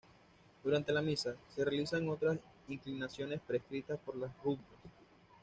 Durante la Misa, se realizan otras inclinaciones prescritas por las rúbricas.